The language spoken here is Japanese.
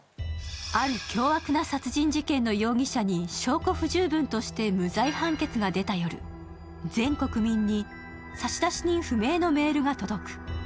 ある凶悪な殺人事件の容疑者に証拠不十分として無罪判決が出た夜、全国民に差出人不明のメールが届く。